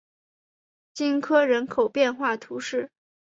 勒科人口变化图示